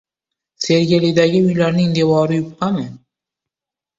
Sergelidagi uylarning devori yupqami?